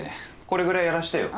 これぐらいやらしてよ。